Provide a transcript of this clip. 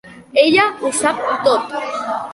Ella ho sap tot.